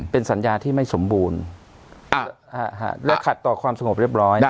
เป็นสัญญาที่ไม่สมบูรณ์และขัดต่อความสงบเรียบร้อย